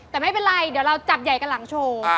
แต่ไม่เป็นไรเดี๋ยวเราจับใหญ่กันหลังโชว์